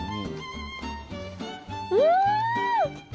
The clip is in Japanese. うん！